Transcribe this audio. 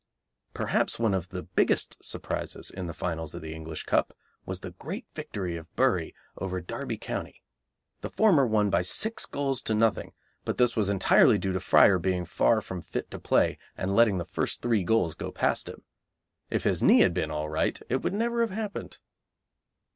Perhaps one of the biggest surprises in the finals of the English Cup was the great victory of Bury over Derby County. The former won by six goals to nothing, but this was entirely due to Fryer being far from fit to play and letting the first three goals go past him. If his knee had been all right it would never have happened.